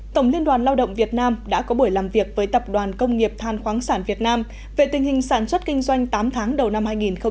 tổng liên đoàn lao động việt nam đã có buổi làm việc với tập đoàn công nghiệp than khoáng sản việt nam về tình hình sản xuất kinh doanh tám tháng đầu năm hai nghìn một mươi chín